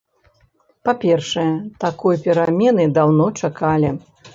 Па-першае, такой перамены даўно чакалі.